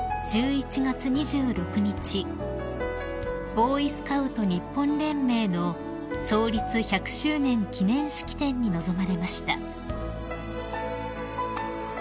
ボーイスカウト日本連盟の創立１００周年記念式典に臨まれました］